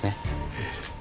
ええ。